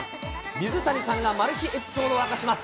水谷さんがマル秘エピソードを明かします。